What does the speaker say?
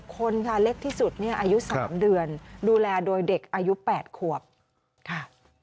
คนค่ะเล็กที่สุดเนี่ยอายุ๓เดือนดูแลโดยเด็กอายุ๘ขวบค่ะ